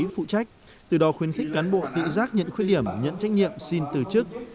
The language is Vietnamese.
phụ trách từ đó khuyến khích cán bộ tự giác nhận khuyết điểm nhận trách nhiệm xin từ chức